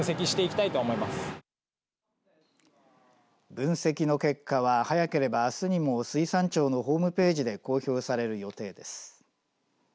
分析の結果は早ければあすにも水産庁のホームページで公表される予定です。